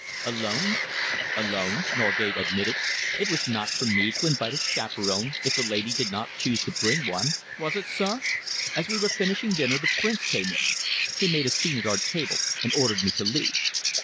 "Alone?" "Alone," Norgate admitted. "It was not for me to invite a chaperon if the lady did not choose to bring one, was it, sir? As we were finishing dinner, the Prince came in. He made a scene at our table and ordered me to leave."